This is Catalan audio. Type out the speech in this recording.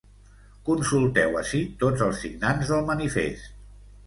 Consulteu ací tots els signants del manifest.